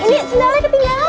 eh ini sandalnya ketinggalan